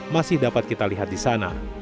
masih dapat kita lihat di sana